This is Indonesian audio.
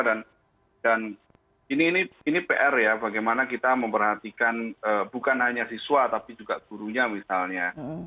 dan ini pr ya bagaimana kita memperhatikan bukan hanya siswa tapi juga gurunya misalnya